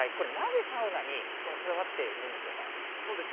これ、なぜサウナにこだわっているんですか？